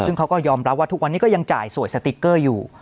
ซึ่งเขาก็ยอมรับว่าทุกวันนี้ก็ยังจ่ายสวยสติ๊กเกอร์อยู่